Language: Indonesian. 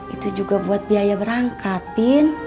itu juga buat biaya berangkat pin